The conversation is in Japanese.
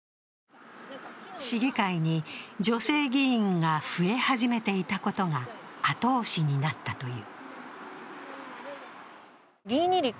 市議会に女性議員が増え始めていたことが後押しになったという。